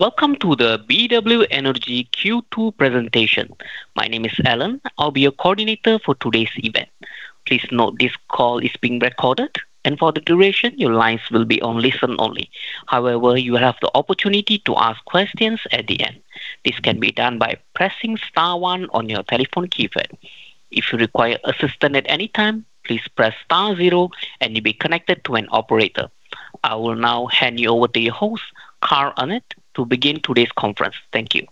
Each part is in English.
Welcome to the BW Energy Q2 presentation. My name is Alan, I will be your coordinator for today's event. Please note this call is being recorded, and for the duration, your lines will be on listen only. However, you will have the opportunity to ask questions at the end. This can be done by pressing star one on your telephone keypad. If you require assistance at any time, please press star zero and you will be connected to an operator. I will now hand you over to your host, Carl Arnet, to begin today's conference. Thank you.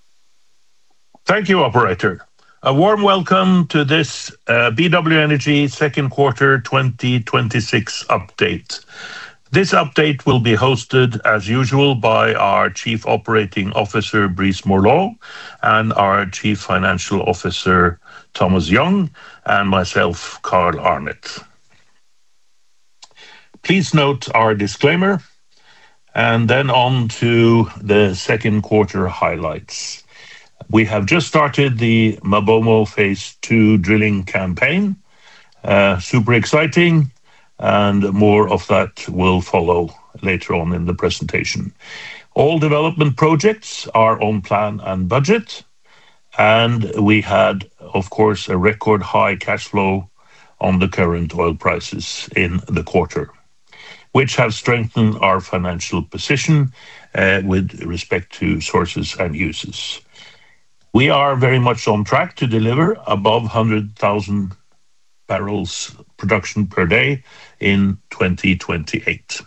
Thank you, operator. A warm welcome to this BW Energy second quarter 2026 update. This update will be hosted as usual by our Chief Operating Officer, Brice Morlot, and our Chief Financial Officer, Thomas Young, and myself, Carl Arnet. Please note our disclaimer, then on to the second quarter highlights. We have just started the MaBoMo Phase 2 drilling campaign. Super exciting, and more of that will follow later on in the presentation. All development projects are on plan and budget. We had, of course, a record-high cash flow on the current oil prices in the quarter, which has strengthened our financial position with respect to sources and uses. We are very much on track to deliver above 100,000 bbl production per day in 2028.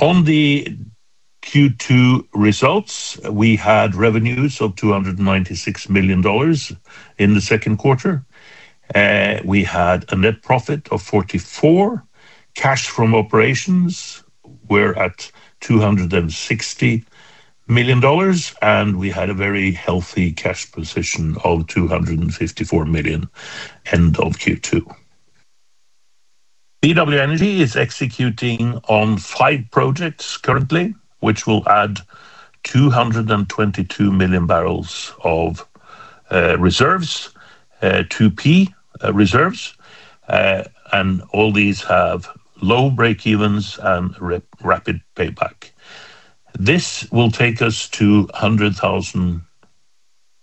On the Q2 results, we had revenues of $296 million in the second quarter. We had a net profit of $44 million. Cash from operations were at $260 million. We had a very healthy cash position of $254 million end of Q2. BW Energy is executing on five projects currently, which will add 222 million barrels of reserves, 2P reserves. All these have low breakevens and rapid payback. This will take us to 100,000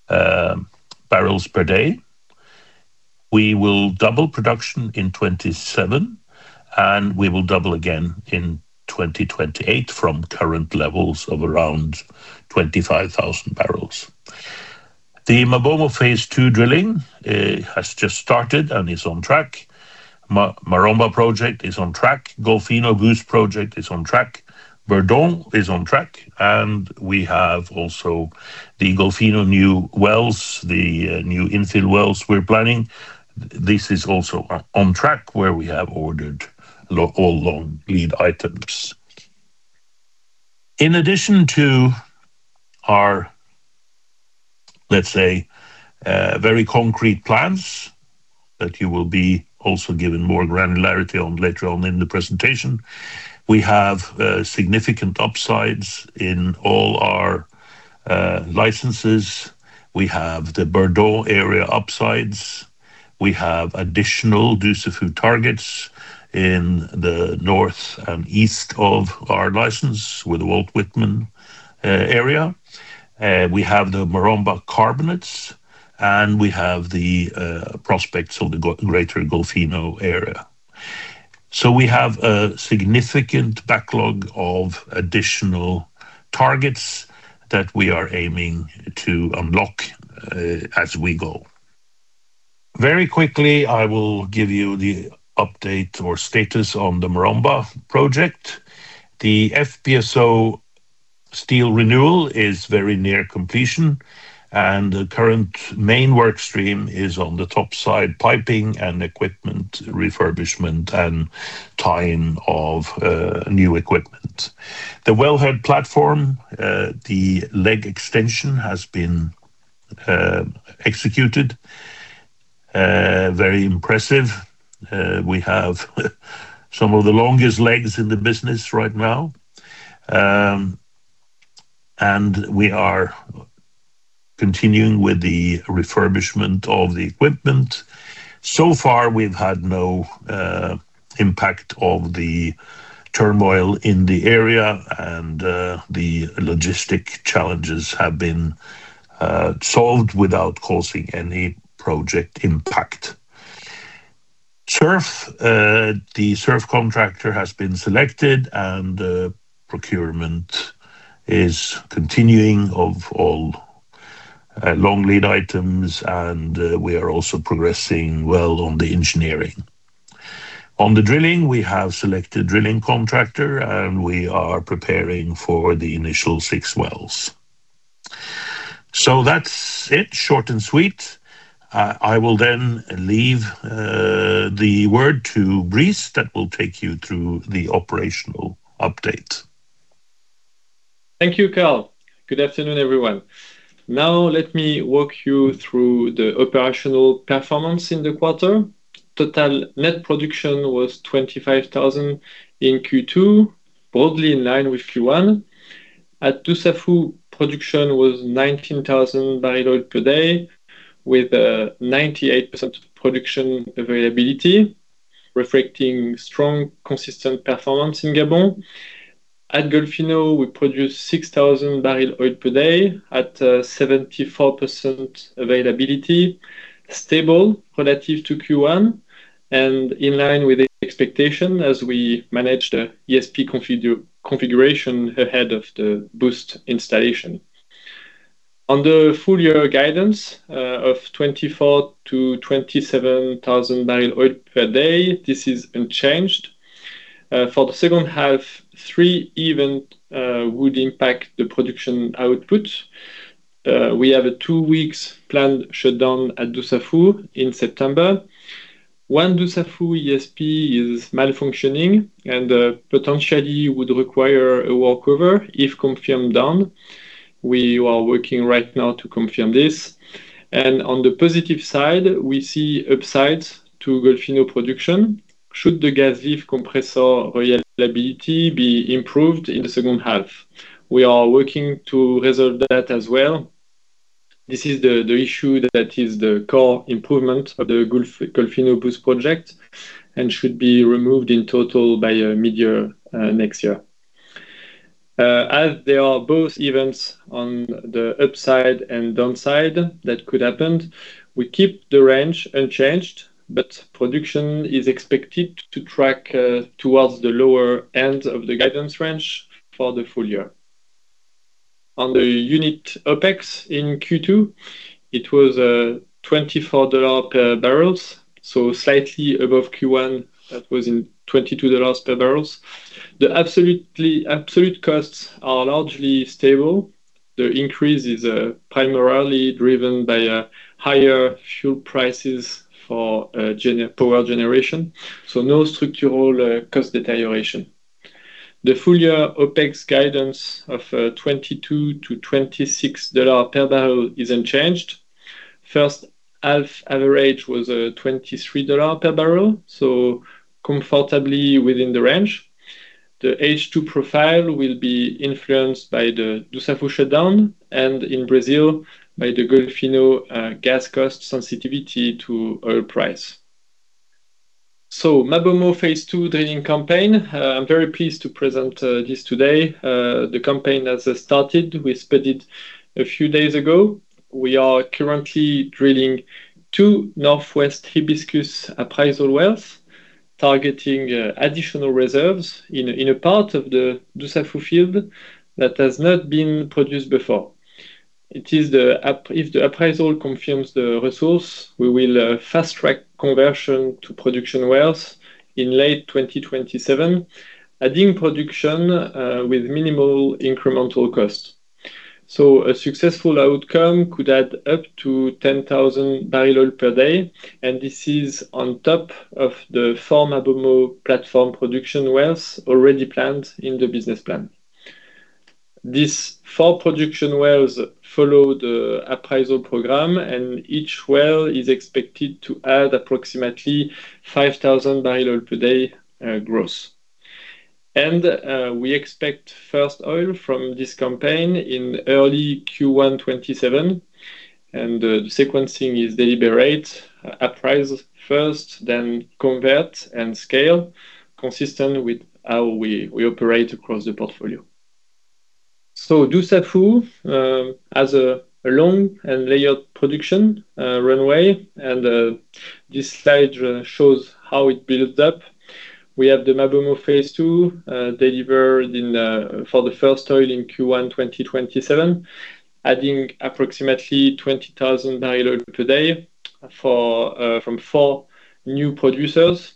bbl per day. We will double production in 2027, and we will double again in 2028 from current levels of around 25,000 bbl. The MaBoMo Phase 2 drilling has just started and is on track. Maromba project is on track. Golfinho Boost project is on track. Bourdon is on track. We have also the Golfinho new wells, the new infill wells we are planning. This is also on track where we have ordered all long-lead items. In addition to our, let's say, very concrete plans that you will be also given more granularity on later on in the presentation, we have significant upsides in all our licenses. We have the Bourdon area upsides. We have additional Dussafu targets in the north and east of our license with Walt Whitman area. We have the Maromba carbonates, and we have the prospects of the Greater Golfinho area. We have a significant backlog of additional targets that we are aiming to unlock as we go. Very quickly, I will give you the update or status on the Maromba project. The FPSO steel renewal is very near completion, and the current main work stream is on the top side piping and equipment refurbishment and tying of new equipment. The wellhead platform, the leg extension has been executed. Very impressive. We have some of the longest legs in the business right now. We are continuing with the refurbishment of the equipment. So far, we've had no impact of the turmoil in the area, and the logistic challenges have been solved without causing any project impact. SURF. The SURF contractor has been selected, and procurement is continuing of all long-lead items, and we are also progressing well on the engineering. On the drilling, we have selected drilling contractor, and we are preparing for the initial six wells. That's it, short and sweet. I will leave the word to Brice that will take you through the operational update. Thank you, Carl. Good afternoon, everyone. Let me walk you through the operational performance in the quarter. Total net production was 25,000 bbl in Q2, broadly in line with Q1. At Dussafu, production was 19,000 bbl oil per day, with 98% production availability. Reflecting strong, consistent performance in Gabon. At Golfinho, we produce 6,000 bbl oil per day at 74% availability, stable relative to Q1 and in line with expectation as we manage the ESP configuration ahead of the boost installation. On the full-year guidance of 24,000-27,000 bbl oil per day, this is unchanged. For the second half, three events would impact the production output. We have a two weeks planned shutdown at Dussafu in September. One Dussafu ESP is malfunctioning and potentially would require a workover if confirmed down. We are working right now to confirm this. On the positive side, we see upsides to Golfinho production should the gas lift compressor reliability be improved in the second half. We are working to resolve that as well. This is the issue that is the core improvement of the Golfinho Boost project and should be removed in total by mid-year next year. They are both events on the upside and downside that could happen, we keep the range unchanged, but production is expected to track towards the lower end of the guidance range for the full year. On the unit OpEx in Q2, it was $24 per barrel, slightly above Q1. That was in $22 per barrel. The absolute costs are largely stable. The increase is primarily driven by higher fuel prices for power generation, no structural cost deterioration. The full-year OpEx guidance of $22-$26 per barrel is unchanged. First half average was $23 per barrel, comfortably within the range. The H2 profile will be influenced by the Dussafu shutdown and in Brazil by the Golfinho gas cost sensitivity to oil price. MaBoMo Phase 2 drilling campaign, I'm very pleased to present this today. The campaign has started. We sped it a few days ago. We are currently drilling two Northwest Hibiscus appraisal wells, targeting additional reserves in a part of the Dussafu field that has not been produced before. If the appraisal confirms the resource, we will fast-track conversion to production wells in late 2027, adding production with minimal incremental cost. A successful outcome could add up to 10,000 bbl oil per day, and this is on top of the four MaBoMo platform production wells already planned in the business plan. These four production wells follow the appraisal program, and each well is expected to add approximately 5,000 bbl oil per day gross. We expect first oil from this campaign in early Q1 2027, and the sequencing is deliberate. Appraisals first, then convert and scale, consistent with how we operate across the portfolio. Dussafu has a long and layered production runway, and this slide shows how it builds up. We have the MaBoMo Phase 2 delivered for the first oil in Q1 2027, adding approximately 20,000 bbl oil per day from four new producers,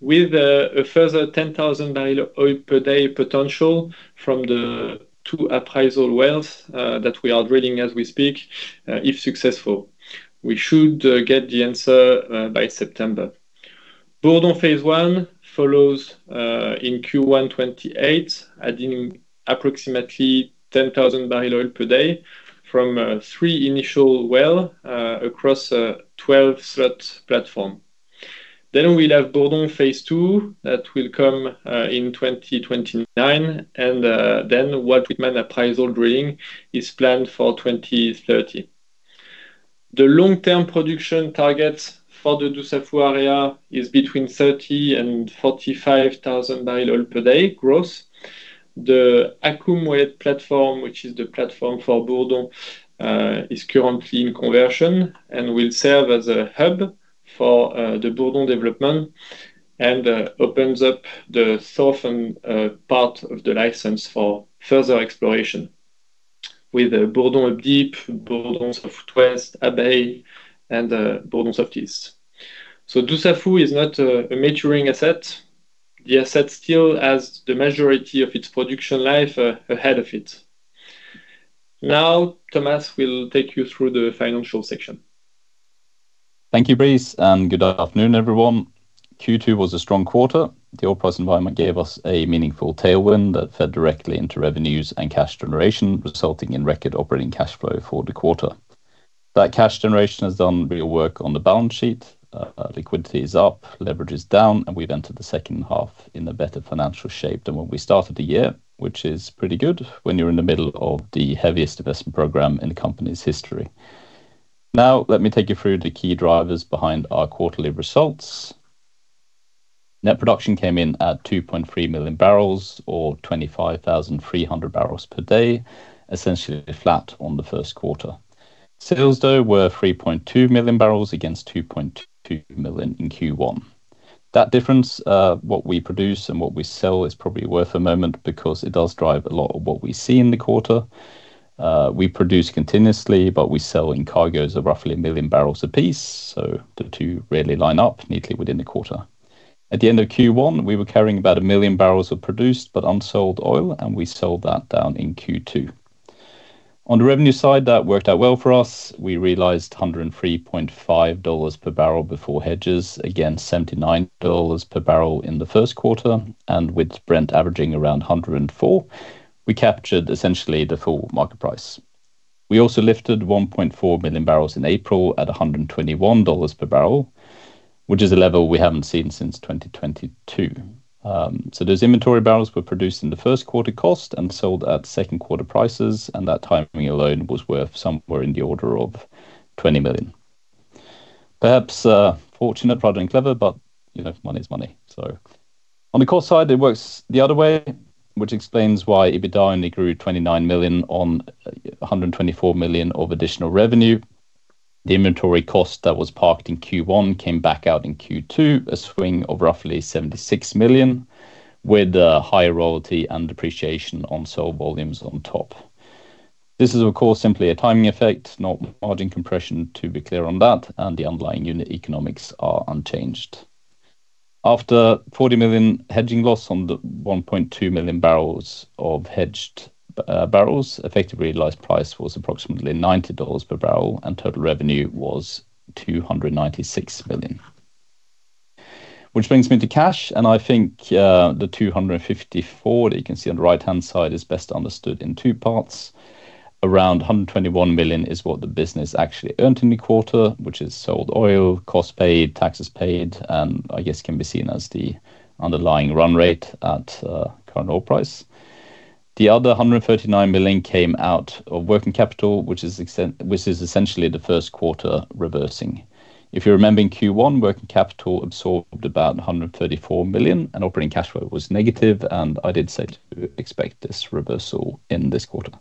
with a further 10,000 bbl oil per day potential from the two appraisal wells that we are drilling as we speak, if successful. We should get the answer by September. Bourdon Phase 1 follows in Q1 2028, adding approximately 10,000 bbl oil per day from three initial well across a 12-slot platform. We'll have Bourdon Phase 2 that will come in 2029, and Walt Whitman appraisal drilling is planned for 2030. The long-term production targets for the Dussafu area is between 30,000 and 45,000 bbl oil per day gross. The Akoum platform, which is the platform for Bourdon, is currently in conversion and will serve as a hub for the Bourdon development and opens up the southern part of the license for further exploration with the Bourdon Up Deep, Bourdon Southwest, Abbey, and Bourdon Southeast. Dussafu is not a maturing asset. The asset still has the majority of its production life ahead of it. Now, Thomas will take you through the financial section. Thank you, Brice, and good afternoon, everyone. Q2 was a strong quarter. The oil price environment gave us a meaningful tailwind that fed directly into revenues and cash generation, resulting in record operating cash flow for the quarter. That cash generation has done real work on the balance sheet. Liquidity is up, leverage is down, and we've entered the second half in a better financial shape than when we started the year, which is pretty good when you're in the middle of the heaviest investment program in the company's history. Now let me take you through the key drivers behind our quarterly results. Net production came in at 2.3 million barrels, or 25,300 bbl per day, essentially flat on the first quarter. Sales, though, were 3.2 million barrels against 2.2 million barrels in Q1. That difference, what we produce and what we sell, is probably worth a moment because it does drive a lot of what we see in the quarter. We produce continuously, but we sell in cargos of roughly 1 million barrels a piece, so the two rarely line up neatly within the quarter. At the end of Q1, we were carrying about 1 million barrels of produced but unsold oil, and we sold that down in Q2. On the revenue side, that worked out well for us. We realized $103.50 per barrel before hedges against $79 per barrel in the first quarter, and with Brent averaging around $104, we captured essentially the full market price. We also lifted 1.4 million barrels in April at $121 per barrel, which is a level we haven't seen since 2022. Those inventory barrels were produced in the first quarter cost and sold at second quarter prices, and that timing alone was worth somewhere in the order of $20 million. Perhaps fortunate rather than clever, but money is money. On the cost side, it works the other way, which explains why EBITDA only grew $29 million on $124 million of additional revenue. The inventory cost that was parked in Q1 came back out in Q2, a swing of roughly $76 million, with higher royalty and depreciation on sold volumes on top. This is, of course, simply a timing effect, not margin compression to be clear on that, and the underlying unit economics are unchanged. After $40 million hedging loss on the 1.2 million barrels of hedged barrels, effective realized price was approximately $90 per barrel and total revenue was $296 million. I think the $254 million that you can see on the right-hand side is best understood in two parts. Around $121 million is what the business actually earned in the quarter, which is sold oil, cost paid, taxes paid, and I guess can be seen as the underlying run rate at current oil price. The other $139 million came out of working capital, which is essentially the first quarter reversing. If you remember in Q1, working capital absorbed about $134 million and operating cash flow was negative, I did say to expect this reversal in this quarter.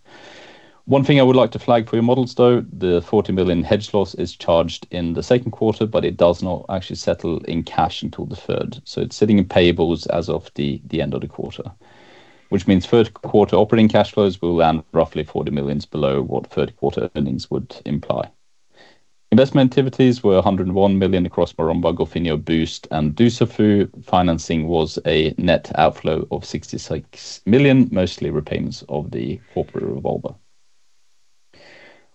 One thing I would like to flag for your models, though, the $40 million hedge loss is charged in the second quarter, but it does not actually settle in cash until the third. It is sitting in payables as of the end of the quarter. Third quarter operating cash flows will land roughly $40 million below what third quarter earnings would imply. Investment activities were $101 million across Maromba, Golfinho Boost, and Dussafu. Financing was a net outflow of $66 million, mostly repayments of the corporate revolver.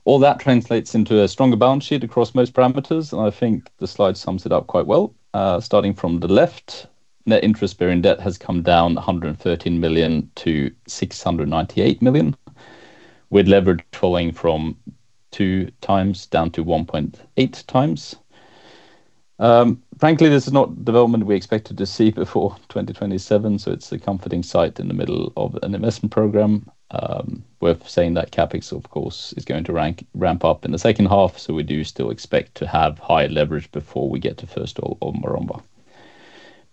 All that translates into a stronger balance sheet across most parameters, I think the slide sums it up quite well. Starting from the left, net interest-bearing debt has come down $113 million to $698 million, with leverage falling from 2x down to 1.8x. Frankly, this is not development we expected to see before 2027, it is a comforting sight in the middle of an investment program. Worth saying that CapEx, of course, is going to ramp up in the second half, we do still expect to have higher leverage before we get to first oil on Maromba.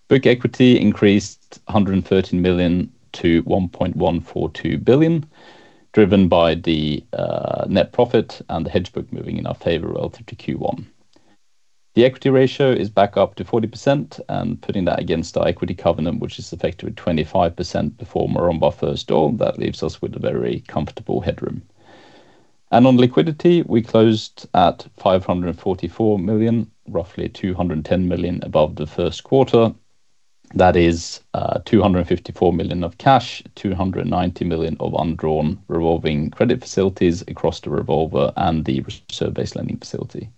Book equity increased $113 million to $1.142 billion, driven by the net profit and the hedge book moving in our favor relative to Q1. The equity ratio is back up to 40%, putting that against our equity covenant, which is effective at 25% before Maromba first oil, that leaves us with a very comfortable headroom. On liquidity, we closed at $544 million, roughly $210 million above the first quarter. That is $254 million of cash, $290 million of undrawn revolving credit facilities across the revolver and the RBL facility.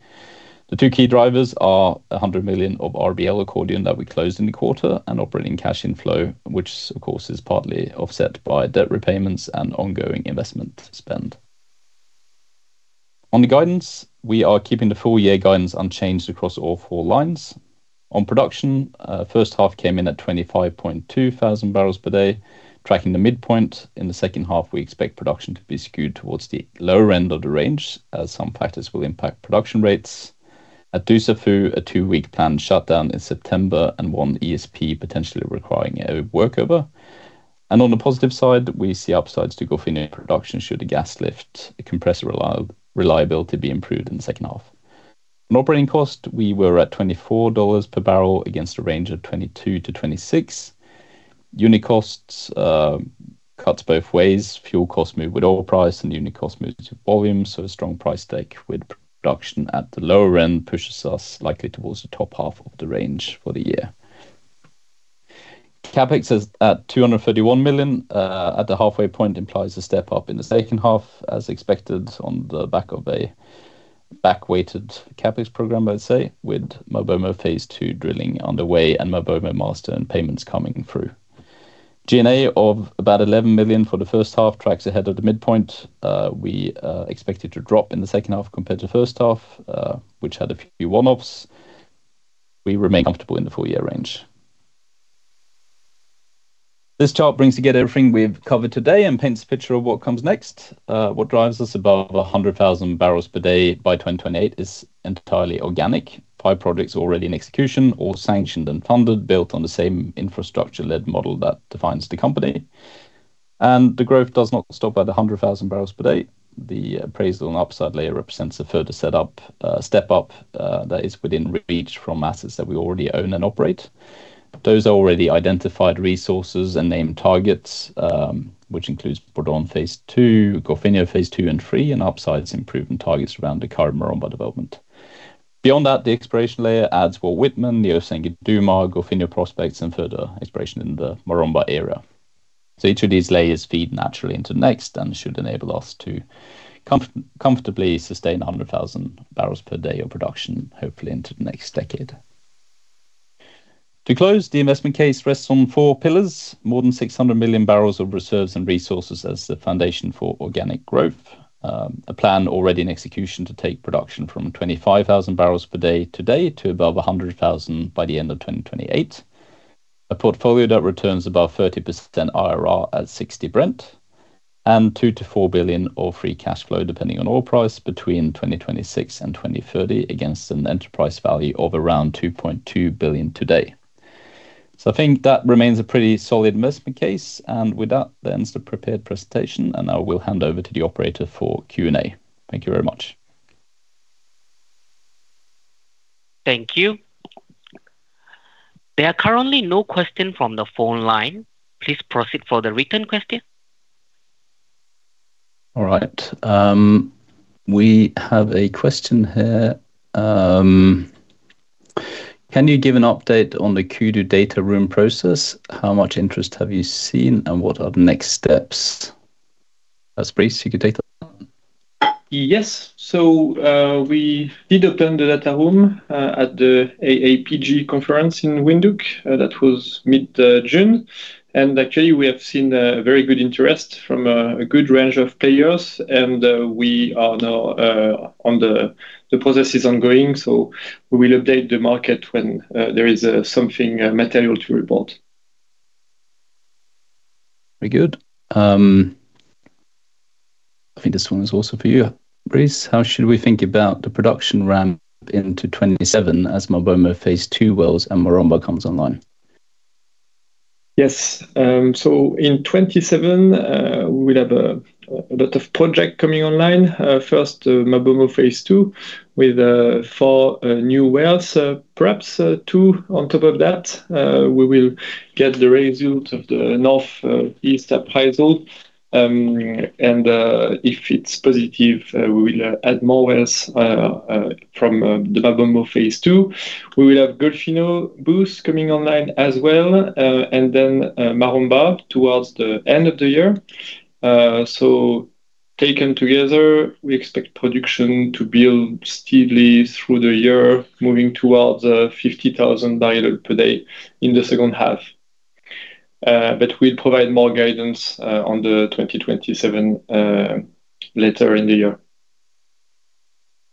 The two key drivers are $100 million of RBL accordion that we closed in the quarter and operating cash inflow, which of course is partly offset by debt repayments and ongoing investment spend. On the guidance, we are keeping the full year guidance unchanged across all four lines. On production, first half came in at 25.2 thousand barrels per day. Tracking the midpoint in the second half, we expect production to be skewed towards the lower end of the range as some factors will impact production rates. At Dussafu, a two-week planned shutdown in September and one ESP potentially requiring a workover. On the positive side, we see upsides to Golfinho production should the gas lift compressor reliability be improved in the second half. On operating cost, we were at $24 per barrel against a range of $22-$26. Unit costs cuts both ways. Fuel costs move with oil price and unit cost moves with volume, so a strong price take with production at the lower end pushes us likely towards the top half of the range for the year. CapEx is at $231 million. At the halfway point implies a step-up in the second half as expected on the back of a back-weighted CapEx program, I'd say, with MaBoMo Phase 2 drilling underway and MaBoMo master and payments coming through. G&A of about $11 million for the first half tracks ahead of the midpoint. We expect it to drop in the second half compared to first half, which had a few one-offs. We remain comfortable in the full year range. This chart brings together everything we've covered today and paints a picture of what comes next. What drives us above 100,000 bbl per day by 2028 is entirely organic. Five projects already in execution, all sanctioned and funded, built on the same infrastructure-led model that defines the company. The growth does not stop at 100,000 bbl per day. The appraisal and upside layer represents a further step-up that is within reach from assets that we already own and operate. Those are already identified resources and named targets, which includes Bourdon Phase 2, Golfinho phase two and three, and upsides improving targets around the current Maromba development. Beyond that, the exploration layer adds Walt Whitman, the Niosi, Guduma, Golfinho prospects and further exploration in the Maromba area. Each of these layers feed naturally into the next and should enable us to comfortably sustain 100,000 bbl per day of production, hopefully into the next decade. To close the investment case rests on four pillars. More than 600 million barrels of reserves and resources as the foundation for organic growth. A plan already in execution to take production from 25,000 bbl per day today to above 100,000 by the end of 2028. A portfolio that returns above 30% IRR at $60 Brent, and $2 billion-$4 billion of free cash flow, depending on oil price, between 2026 and 2030, against an enterprise value of around $2.2 billion today. I think that remains a pretty solid investment case. With that ends the prepared presentation, and I will hand over to the operator for Q&A. Thank you very much. Thank you. There are currently no question from the phone line. Please proceed for the written question. All right. We have a question here. Can you give an update on the Kudu data room process? How much interest have you seen and what are the next steps? That's Brice, you can take that one. Yes. We did open the data room at the AAPG conference in Windhoek. That was mid-June. Actually, we have seen a very good interest from a good range of players. We are now on the process is ongoing, so we will update the market when there is something material to report. Very good. I think this one is also for you, Brice. How should we think about the production ramp into 2027 as MaBoMo Phase 2 wells and Maromba comes online? Yes. In 2027, we'll have a lot of project coming online. First, MaBoMo Phase 2 with four new wells. Perhaps two on top of that. We will get the results of the Northeast appraisal. If it's positive, we will add more wells from the MaBoMo Phase 2. We will have Golfinho Boost coming online as well, Maromba towards the end of the year. Taken together, we expect production to build steadily through the year, moving towards 50,000 bbl oil per day in the second half. We'll provide more guidance on the 2027 later in the year.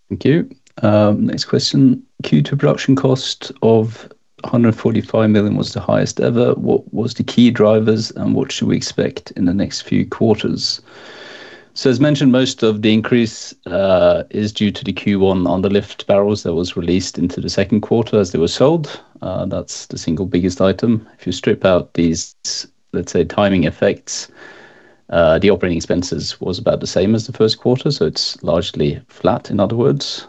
Thank you. Next question. Q2 production cost of $145 million was the highest ever. What was the key drivers and what should we expect in the next few quarters? As mentioned, most of the increase is due to the Q1 on the lift barrels that was released into the second quarter as they were sold. That's the single biggest item. If you strip out these, let's say, timing effects, the operating expenses was about the same as the first quarter, so it's largely flat, in other words.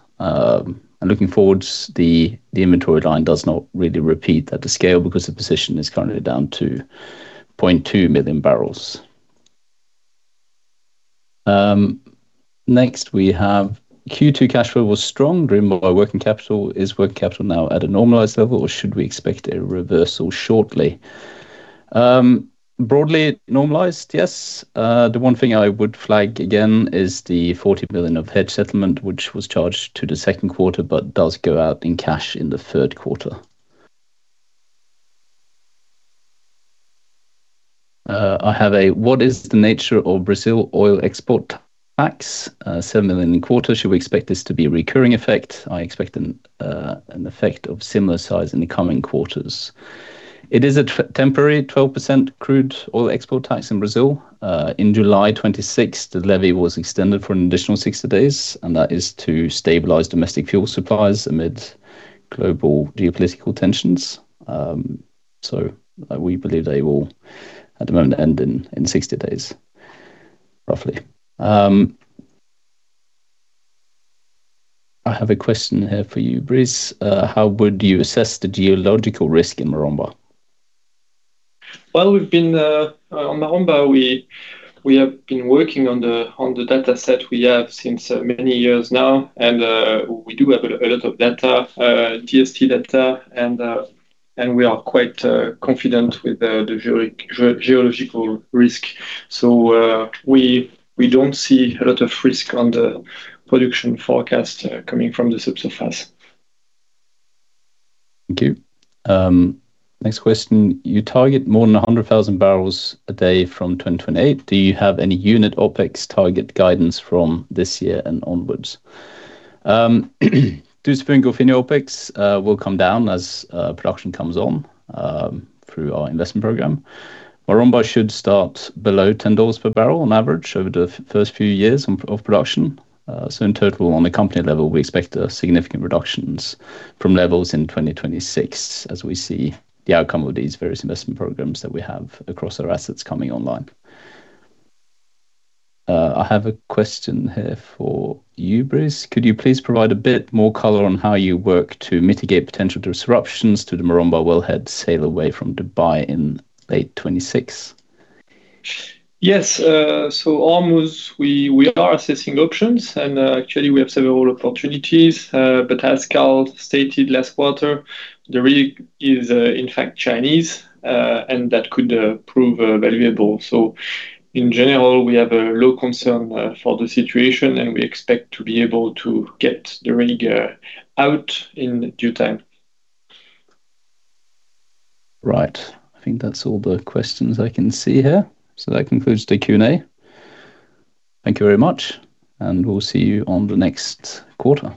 Looking forwards, the inventory line does not really repeat at the scale because the position is currently down to 0.2 million barrels. Next, we have Q2 cash flow was strong, driven by working capital. Is working capital now at a normalized level or should we expect a reversal shortly? Broadly normalized, yes. The one thing I would flag again is the $40 million of hedge settlement, which was charged to the second quarter but does go out in cash in the third quarter. I have a what is the nature of Brazil oil export tax? $7 million a quarter. Should we expect this to be a recurring effect? I expect an effect of similar size in the coming quarters. It is a temporary 12% crude oil export tax in Brazil. In July 26, the levy was extended for an additional 60 days, that is to stabilize domestic fuel supplies amid global geopolitical tensions. We believe they will, at the moment, end in 60 days, roughly. I have a question here for you, Brice. How would you assess the geological risk in Maromba? On Maromba, we have been working on the data set we have since many years now. We do have a lot of data, DST data, and we are quite confident with the geological risk. We don't see a lot of risk on the production forecast coming from the subsurface. Thank you. Next question. You target more than 100,000 bbl a day from 2028. Do you have any unit OpEx target guidance from this year and onwards? Dussafu Golfinho OpEx will come down as production comes on through our investment program. Maromba should start below $10 per barrel on average over the first few years of production. In total, on the company level, we expect significant reductions from levels in 2026 as we see the outcome of these various investment programs that we have across our assets coming online. I have a question here for you, Brice. Could you please provide a bit more color on how you work to mitigate potential disruptions to the Maromba wellhead sail away from Dubai in late 2026? Yes. We are assessing options, and actually we have several opportunities. As Carl stated last quarter, the rig is in fact Chinese, and that could prove valuable. In general, we have a low concern for the situation, and we expect to be able to get the rig out in due time. Right. I think that's all the questions I can see here. That concludes the Q&A. Thank you very much, and we'll see you on the next quarter.